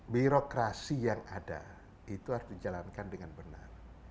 birokrasi yang ada itu harus dijalankan dengan benar